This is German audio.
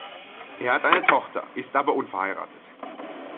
Er hat eine Tochter, ist aber unverheiratet.